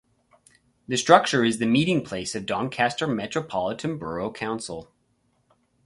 The structure is the meeting place of Doncaster Metropolitan Borough Council.